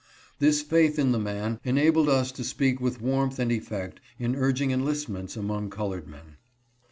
This faith in the man enabled us to speak with warmth and effect in urging enlistments among colored men.